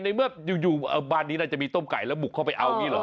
ในเมื่ออยู่บ้านนี้น่าจะมีต้มไก่แล้วบุกเข้าไปเอาอย่างนี้เหรอ